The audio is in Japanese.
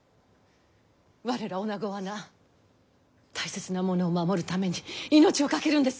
我らおなごはな大切なものを守るために命を懸けるんです。